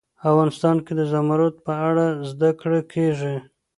افغانستان کې د زمرد په اړه زده کړه کېږي.